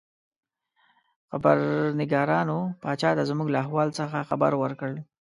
خبرنګارانو پاچا ته زموږ له احوال څخه خبر ورکړ.